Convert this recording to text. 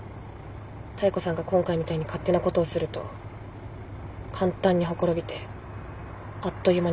妙子さんが今回みたいに勝手なことをすると簡単にほころびてあっという間に壊れます。